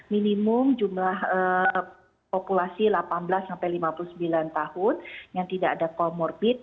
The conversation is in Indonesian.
minimum jumlah populasi delapan belas sampai lima puluh sembilan tahun yang tidak ada comorbid